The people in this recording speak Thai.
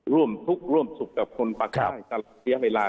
ร่วมทุกข์ร่วมสุขกับคนปากใต้ตลอดเสียเวลา